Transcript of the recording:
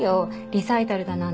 リサイタルだなんて